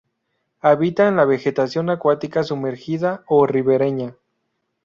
Habita en la vegetación acuática sumergida o ribereña.